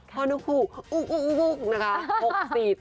พ่อนุกภูกษ์อุ๊กนะคะ